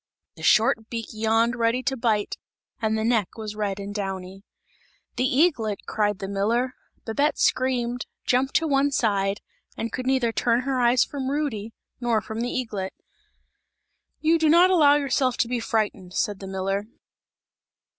The short beak yawned ready to bite and the neck was red and downy. "The eaglet!" cried the miller. Babette screamed, jumped to one side and could neither turn her eyes from Rudy, nor from the eaglet. "You do not allow yourself to be frightened!" said the miller.